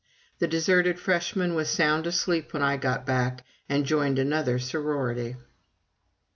The deserted Freshman was sound asleep when I got back and joined another sorority.